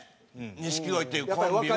錦鯉っていうコンビは。